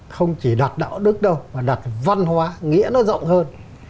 không chỉ đặt đạo đức đâu mà đặt văn hóa nghĩa nó rộng hơn